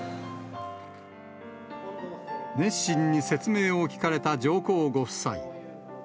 熱心に説明を聞かれた上皇ご夫妻。